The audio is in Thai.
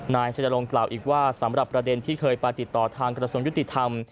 นายชนรงคล่าอีกว่าสำหรับประเด็นที่เคยไปติดต่อทางกระทรวงยุติธรรม